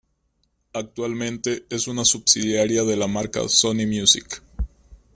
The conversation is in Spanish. Actualmente es una subsidiaria de la marca Sony Music.